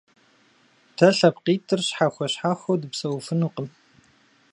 Дэ лъэпкъитӀыр щхьэхуэ-щхьэхуэу дыпсэуфынукъым.